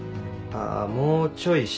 あもうちょい下。